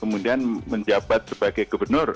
kemudian menjabat sebagai gubernur